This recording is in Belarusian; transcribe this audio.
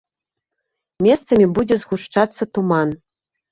Месцамі будзе згушчацца туман.